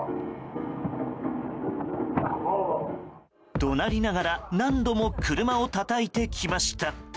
怒鳴りながら何度も車をたたいてきました。